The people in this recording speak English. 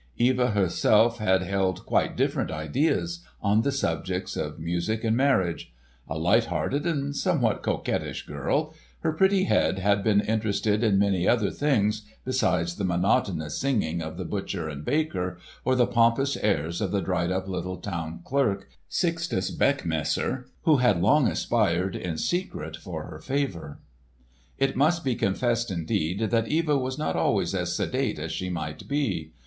Eva herself had held quite different ideas on the subjects of music and marriage. A light hearted and somewhat coquettish girl, her pretty head had been interested in many other things besides the monotonous singing of the butcher and baker, or the pompous airs of the dried up little town clerk, Sixtus Beckmesser, who had long aspired in secret for her favour. It must be confessed, indeed, that Eva was not always as sedate as she might be.